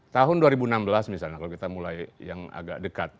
tahun dua ribu enam belas misalnya kalau kita mulai yang agak dekat